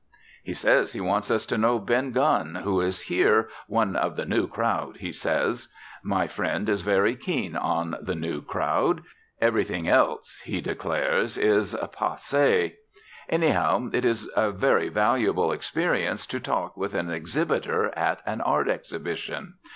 He says he wants us to know Ben Gunn, who is here, "one of the new crowd," he says. My friend is very keen on the new crowd; everything else he declares is "passe." Anyhow, it is a very valuable experience to talk with an exhibitor at an art exhibition.